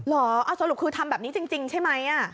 สรุปคือทำแบบนี้จริงใช่ไหม